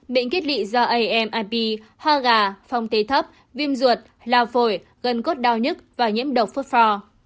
bệnh kết lị do amip hoa gà phong tê thấp viêm ruột lào phổi gân cốt đau nhức và nhiễm độc phốt phò